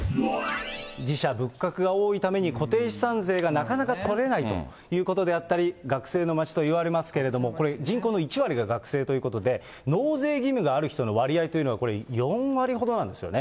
寺社、仏閣が多いために、固定資産税がなかなかとれないということであったり、学生の街といわれますけれども、これ、人口の１割が学生ということで、納税義務がある人の割合というのが４割ほどなんですよね。